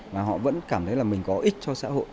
và họ vẫn cảm thấy là mình có ích cho xã hội